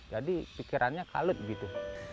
jadi pikirannya kalut gitu